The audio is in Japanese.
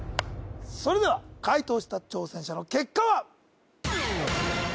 それでは解答した挑戦者の結果は？